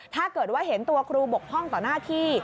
ถ้าเกิดว่าเห็นตัวครูบกพ่องต่อหน้าที่